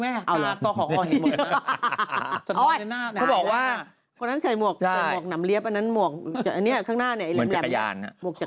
เออเอาล่ะเขาบอกว่าคนนั้นใส่หมวกหนำเลี้ยบอันนั้นหมวกเหมือนจักรยาน